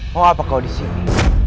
mau apa kau disini